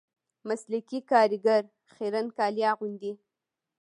مسلکي کاریګر خیرن کالي اغوندي